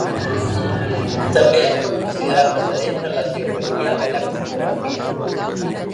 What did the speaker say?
També es pot considerar precedent de la geografia i la cosmografia.